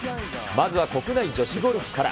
まずは国内女子ゴルフから。